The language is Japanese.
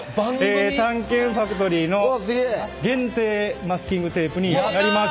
「探検ファクトリー」の限定マスキングテープになります。